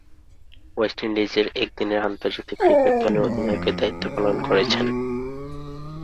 West ইন্ডিজের একদিনের আন্তর্জাতিক ক্রিকেট দলের অধিনায়কের দায়িত্ব পালন করেছেন।